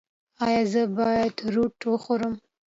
ایا زه باید روټ وخورم؟